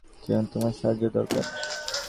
সেজন্য তোমার সাহায্য দরকার।